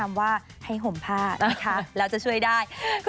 ว่าให้ห่มผ้านะคะแล้วจะช่วยได้ก็